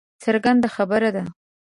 څرګنده خبره ده